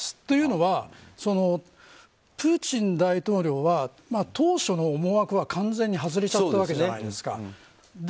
というのは、プーチン大統領は当初の思惑は完全に外れちゃったわけじゃないですか。